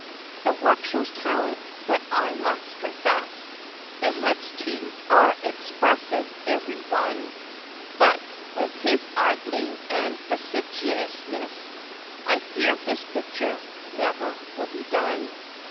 The work shows talent, — that I must confess; The heads, too, are expressive, every one; But, with his idling and fastidiousness, I fear his picture never will be done.